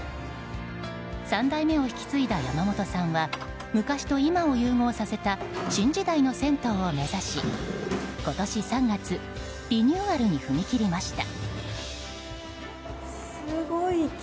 ３代目を引き継いだ山本さんは昔と今を融合させた新時代の銭湯を目指し今年３月リニューアルに踏み切りました。